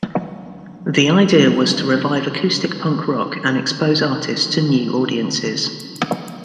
The idea was to revive acoustic punk rock and expose artists to new audiences.